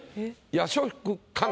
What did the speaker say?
「夜食かな」。